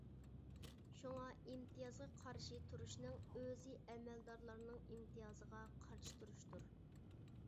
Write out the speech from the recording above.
شۇڭا ئىمتىيازغا قارشى تۇرۇشنىڭ ئۆزى ئەمەلدارلارنىڭ ئىمتىيازىغا قارشى تۇرۇشتۇر.